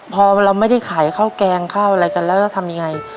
พอเราไม่ได้ขายข้าวแกงข้าวอะไรกันแล้วจะทำยังไง